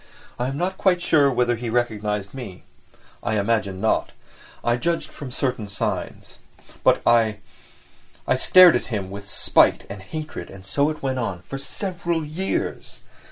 I am not quite sure whether he recognised me, I imagine not; I judge from certain signs. But I—I stared at him with spite and hatred and so it went on ... for several years!